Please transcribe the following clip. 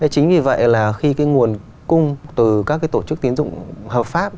chính vì vậy là khi cái nguồn cung từ các cái tổ chức tiến dụng hợp pháp